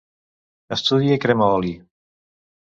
Estudia i crema oli.